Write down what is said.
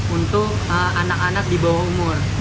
untuk anak anak di bawah umur